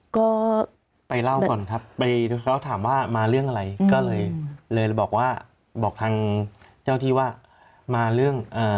ก็ไปเล่าก่อนครับไปแล้วถามว่ามาเรื่องอะไรก็เลยเลยบอกว่าบอกทางเจ้าที่ว่ามาเรื่องเอ่อ